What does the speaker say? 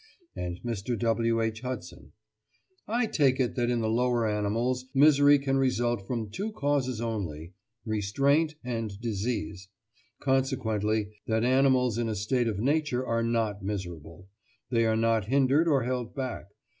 And Mr. W. H. Hudson: "I take it that in the lower animals misery can result from two causes only—restraint and disease—consequently, that animals in a state of nature are not miserable. They are not hindered or held back....